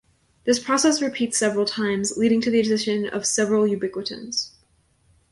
This process repeats several times, leading to the addition of several ubiquitins.